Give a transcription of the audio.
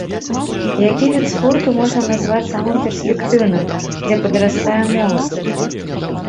Які від спорту можна назваць самым перспектыўным, дзе падрастае моладзь?